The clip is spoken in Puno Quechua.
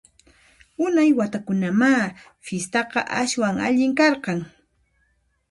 Unay watakunamá fistaqa aswan allin karqan!